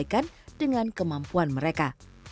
yang tidak disesuaikan dengan kemampuan mereka